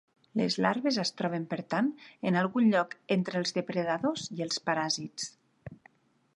Les larves es troben, per tant, en algun lloc entre els depredadors i els paràsits.